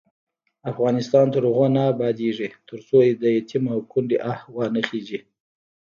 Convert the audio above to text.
افغانستان تر هغو نه ابادیږي، ترڅو د یتیم او کونډې آه وانه خیژي.